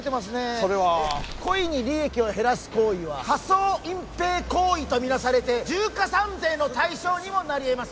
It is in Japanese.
それは故意に利益を減らす行為は仮装隠蔽行為とみなされて重加算税の対象にもなりえます